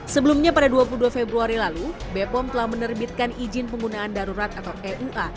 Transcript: sebelumnya pada dua puluh dua februari lalu bepom telah menerbitkan izin penggunaan darurat atau eua